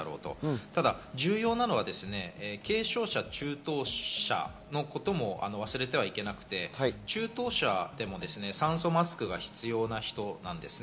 ただ重要なのは軽症者、中等症者のことも忘れてはならなくて、中等症でも酸素マスクが必要な人なんですね。